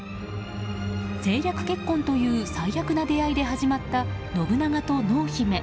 政略結婚という最悪な出会いで始まった信長と濃姫。